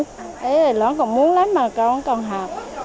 thế thì lắm còn muốn lắm mà còn học